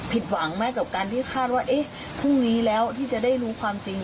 หวังไหมกับการที่คาดว่าเอ๊ะพรุ่งนี้แล้วที่จะได้รู้ความจริง